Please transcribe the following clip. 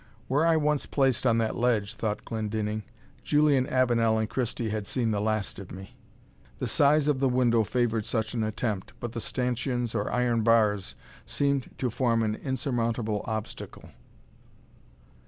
"Were I once placed on that ledge," thought Glendinning, "Julian Avenel and Christie had seen the last of me." The size of the window favoured such an attempt, but the stanchions or iron bars seemed to form an insurmountable obstacle.